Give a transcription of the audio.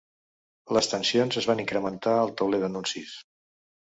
Les tensions es van incrementar al tauler d’anuncis.